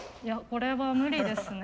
これは無理ですね。